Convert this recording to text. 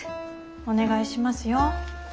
お願いしますよ。